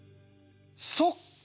そっか！